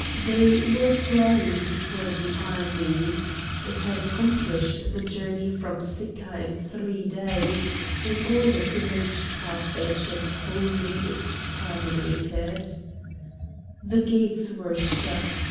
They were flying before the army. It had accomplished the journey from Sicca in three days, in order to reach Carthage and wholly exterminate it. The gates were shut.